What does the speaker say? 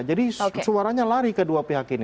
jadi suaranya lari ke dua pihak ini